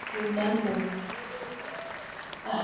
Remember, Ah